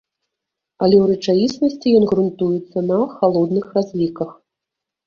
Але ў рэчаіснасці ён грунтуецца на халодных разліках.